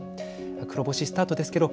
黒星スタートですけど